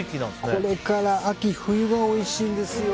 これから秋冬がおいしいんですよ。